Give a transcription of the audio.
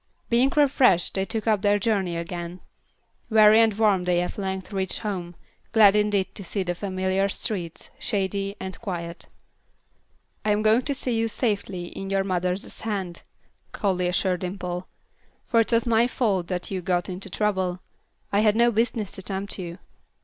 Being refreshed they took up their journey again. Weary and warm they at length reached home, glad indeed to see the familiar streets, shady and quiet. "I am going to see you safely in your mother's hands," Callie assured Dimple; "for it was my fault that you got into trouble. I had no business to tempt you."